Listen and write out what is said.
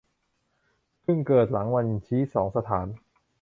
เพิ่งเกิดขึ้นหลังวันชี้สองสถาน